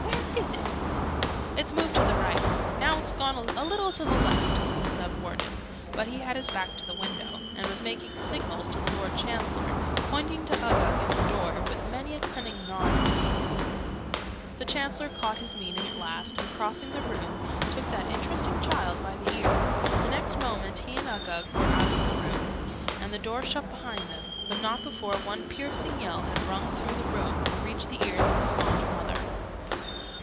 Where is it?" "It's moved to the right now it's gone a little to the left," said the Sub Warden: but he had his back to the window, and was making signals to the Lord Chancellor, pointing to Uggug and the door, with many a cunning nod and wink. {Image...Removal of Uggug} The Chancellor caught his meaning at last, and, crossing the room, took that interesting child by the ear the next moment he and Uggug were out of the room, and the door shut behind them: but not before one piercing yell had rung through the room, and reached the ears of the fond mother.